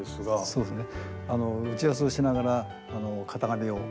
そうですね。